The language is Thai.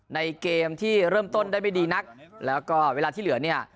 ในเกมที่เริ่มต้นได้ไม่ดีนักแล้วก็เวลาที่เหลือเนี่ย